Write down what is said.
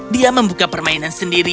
dia membuka permainan sendiri